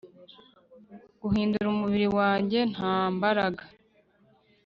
guhindura umubiri wanjye nta mbaraga